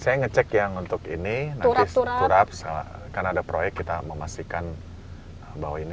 saya ngecek yang untuk ini nanti turap karena ada proyek kita memastikan bahwa ini